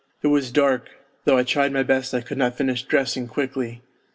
It was dark : though I tried my best I could not finish dressing quickly.